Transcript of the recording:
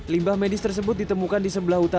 limbah medis tersebut ditemukan di sebelah utara